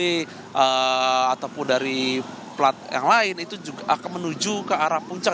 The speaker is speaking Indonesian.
ataupun dari plat yang lain itu juga akan menuju ke arah puncak